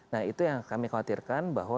nah itu yang kami khawatirkan bahwa